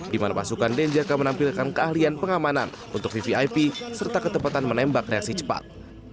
di mana pasukan denjaka menampilkan keahlian pengamanan untuk vvip serta ketepatan menembak reaksi cepat